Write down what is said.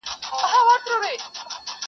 اوس اِمارت دی چي څه به کیږي -